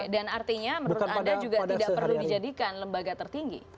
dan artinya menurut anda tidak perlu dijadikan lembaga tertinggi